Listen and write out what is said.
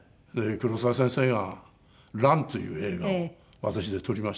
黒澤先生が『乱』という映画を私で撮りました。